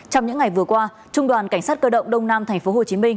trong những ngày vừa qua trung đoàn cảnh sát cơ động đông nam tp hcm